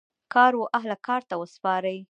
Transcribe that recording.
کار و اهل کار ته وسپارئ